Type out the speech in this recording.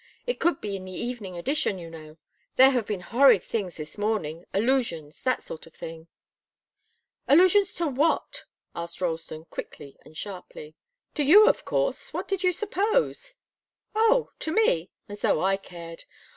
It could be in the evening edition, you know. There have been horrid things this morning allusions that sort of thing." "Allusions to what?" asked Ralston, quickly and sharply. "To you, of course what did you suppose?" "Oh to me! As though I cared!